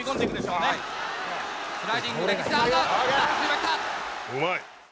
うまい！